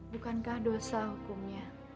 bukankah dosa hukumnya